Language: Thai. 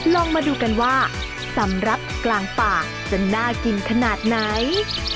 ลองมาดูกันว่าสำหรับกลางป่าจะน่ากินขนาดไหน